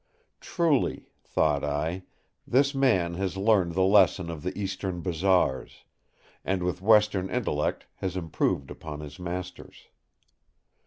"Truly," thought I, "this man has learned the lesson of the Eastern bazaars; and with Western intellect has improved upon his masters!"